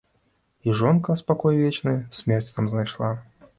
І жонка, спакой вечны, смерць там знайшла.